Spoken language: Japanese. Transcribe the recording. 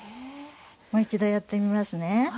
もう一度、やってみますね。